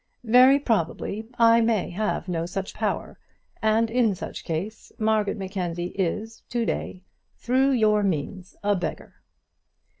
Very probably I may have no such power, and in such case, Margaret Mackenzie is, to day, through your means, a beggar.